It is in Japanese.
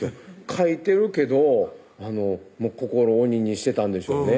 書いてるけど心を鬼にしてたんでしょうね